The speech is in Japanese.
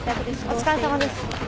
お疲れさまです。